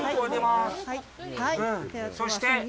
そして？